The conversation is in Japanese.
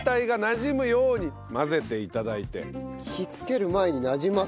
火をつける前になじます？